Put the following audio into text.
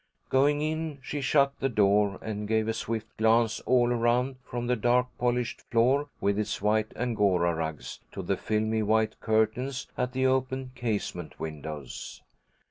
Going in, she shut the door and gave a swift glance all around, from the dark polished floor, with its white angora rugs, to the filmy white curtains at the open casement windows.